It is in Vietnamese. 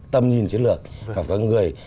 tầm nhìn chiến lược và phải có người